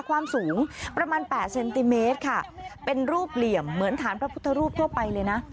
ความสูงประมาณแปดเซนติเมตรค่ะเป็นรูปเหลี่ยมเหมือนฐานพระพุทธรูปทั่วไปเลยนะ